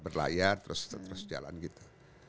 berlayar terus jalan gitu